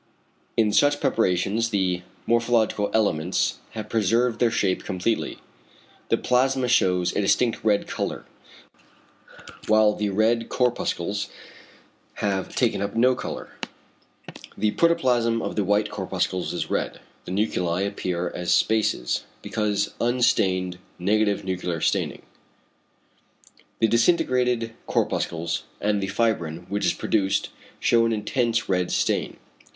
In such preparations the morphological elements have preserved their shape completely. The plasma shews a distinct red colour, whilst the red corpuscles have taken up no colour. The protoplasm of the white corpuscles is red, the nuclei appear as spaces, because unstained (=negative nuclear staining=). The disintegrated corpuscles and the fibrin which is produced, shew an intense red stain.